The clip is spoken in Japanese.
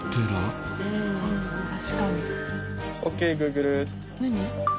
確かに。